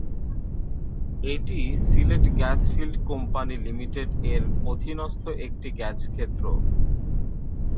এটি Sylhet gas fields company লিমিটেড-এর অধীনস্থ একটি গ্যাসক্ষেত্র।